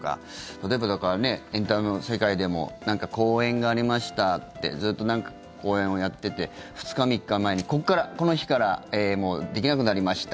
例えば、エンタメの世界でもなんか公演がありましたってずっと、なんか公演をやってて２日、３日前にここからこの日からできなくなりました